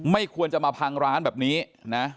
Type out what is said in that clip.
ไม่ควรจะมาพังร้านแบบนี้นะ